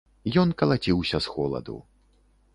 Ён калаціўся з холаду.